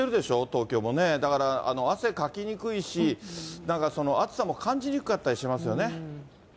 東京もね、だから汗かきにくいし、暑さも感じにくかったりしますよね。